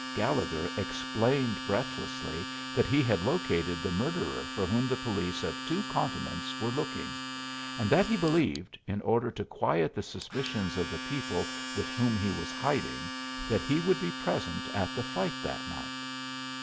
Gallegher explained breathlessly that he had located the murderer for whom the police of two continents were looking, and that he believed, in order to quiet the suspicions of the people with whom he was hiding, that he would be present at the fight that night.